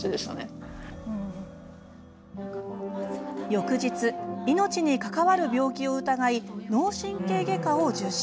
翌日命に関わる病気を疑い脳神経外科を受診。